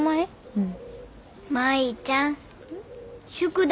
うん。